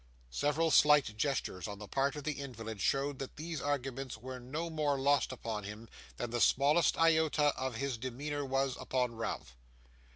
Several slight gestures on the part of the invalid showed that these arguments were no more lost upon him, than the smallest iota of his demeanour was upon Ralph.